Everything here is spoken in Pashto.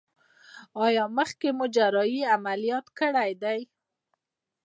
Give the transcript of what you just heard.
ایا مخکې مو جراحي عملیات کړی دی؟